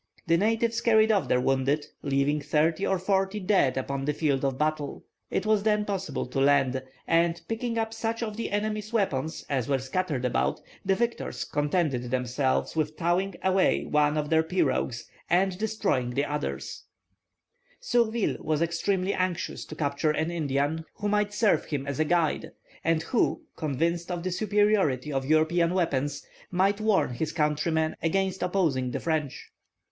The natives carried off their wounded, leaving thirty or forty dead upon the field of battle. It was then possible to land, and, picking up such of the enemy's weapons as were scattered about, the victors contented themselves with towing away one of their pirogues and destroying the others." [Illustration: "Picking up the enemies' weapons."] Surville was extremely anxious to capture an Indian, who might serve him as a guide, and who, convinced of the superiority of European weapons, might warn his countrymen against opposing the French.